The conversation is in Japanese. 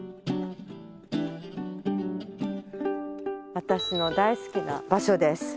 私の大好きな場所です。